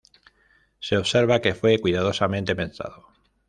Se observa que fue cuidadosamente pensado.